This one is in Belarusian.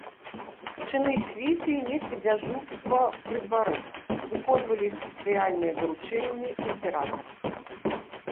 Чыны світы неслі дзяжурства пры двары, выконвалі спецыяльныя даручэнні імператара.